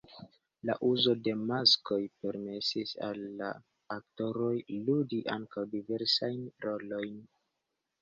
La uzo de maskoj permesis al la aktoroj ludi ankaŭ diversajn rolojn.